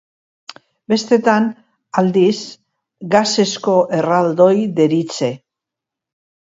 Bestetan, aldiz, gasezko erraldoi deritze.